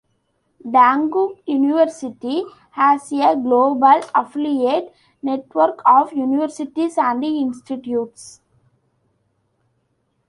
Dankook University has a global affiliate network of universities and institutes.